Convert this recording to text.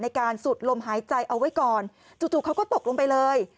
สุดลมหายใจเอาไว้ก่อนจู่เขาก็ตกลงไปเลย